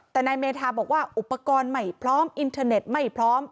แต่นายเมธาบอกว่าอุปกรณ์ไม่พร้อมอินเทอร์เน็ตไม่พร้อม